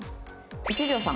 一条さん。